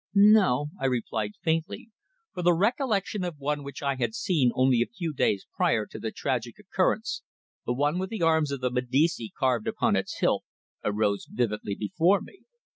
"No," I replied faintly, for the recollection of one which I had seen only a few days prior to the tragic occurrence the one with the arms of the Medici carved upon its hilt, arose vividly before me.